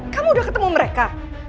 kamu udah ketemu mereka